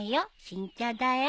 新茶だよ」